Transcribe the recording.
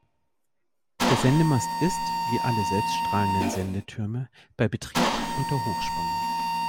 Der Sendemast ist, wie alle selbststrahlenden Sendetürme, bei Betrieb unter Hochspannung.